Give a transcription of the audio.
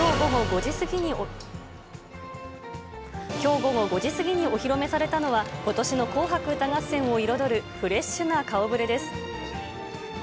きょう午後５時過ぎにお披露目されたのは、ことしの紅白歌合戦を彩るフレッシュな顔ぶれです。